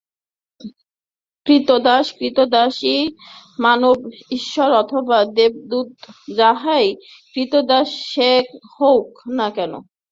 ক্রীতদাস ক্রীতদাসই, মানব ঈশ্বর অথবা দেবদূত যাহারই ক্রীতদাস সে হউক না কেন।